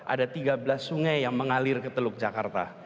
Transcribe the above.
ada tiga belas sungai yang mengalir ke teluk jakarta